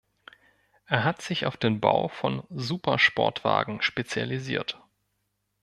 Er hat sich auf den Bau von Supersportwagen spezialisiert.